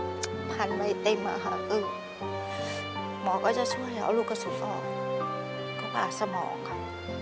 พันใบเต็มอะค่ะหมอก็จะช่วยเอาลูกกระสุนออกก็ปากสมองค่ะ